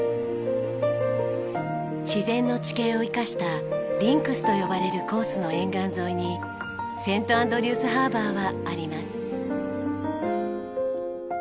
自然の地形を生かしたリンクスと呼ばれるコースの沿岸沿いにセント・アンドリュースハーバーはあります。